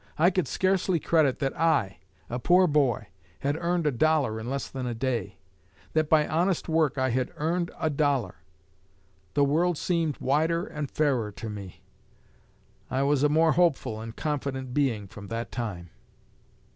I could scarcely credit that I, a poor boy, had earned a dollar in less than a day, that by honest work I had earned a dollar. The world seemed wider and fairer to me. I was a more hopeful and confident being from that time."